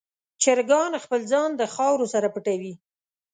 چرګان خپل ځان د خاورو سره پټوي.